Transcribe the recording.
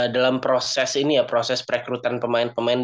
dalam proses ini ya proses perekrutan pemain pemain